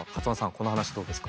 この話どうですか？